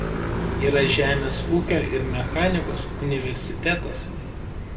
Yra žemės ūkio ir mechanikos universitetas.